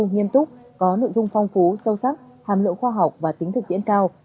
nghiêm túc có nội dung phong phú sâu sắc hàm lượng khoa học và tính thực tiễn cao